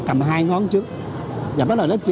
cầm hai ngón trước và bắt đầu nó chỉ